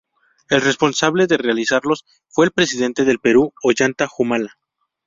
El responsable de realizarlos fue el Presidente del Perú, Ollanta Humala.